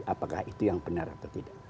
apakah itu yang benar atau tidak